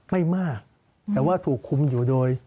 ไม่มากแต่ว่าถูกคุมอยู่โดย